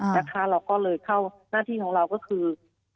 เราก็เลยเข้าหน้าที่ของเราก็คือ